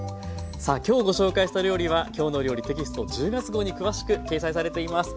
さあ今日ご紹介した料理は「きょうの料理」テキスト１０月号に詳しく掲載されています。